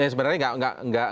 sebenarnya nggak wajar sebenarnya